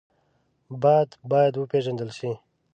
باد باید وپېژندل شي